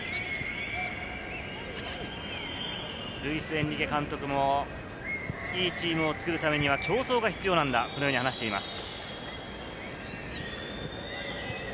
ルイス・エンリケ監督もいいチームを作るためには競争が必要なんだと、そのように話しています。